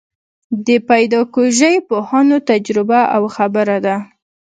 د پیداکوژۍ پوهانو تجربه او خبره ده.